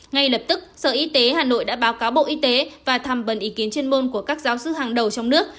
ngay lập tức sở y tế hà nội đã báo cáo bộ y tế và thăm bần ý kiến chuyên môn của các giáo sư hàng đầu trong nước